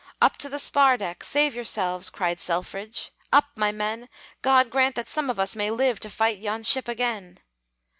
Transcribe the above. "Up to the spar deck! Save yourselves!" Cried Selfridge. "Up, my men! God grant that some of us may live To fight yon ship again!"